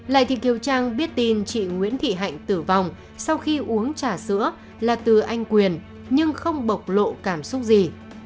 lại thị kiều trang biết tin chị nguyễn thị hạnh tử vong sau khi uống trà sữa là từ anh quyền nhưng không bộc lộ cảm xúc gì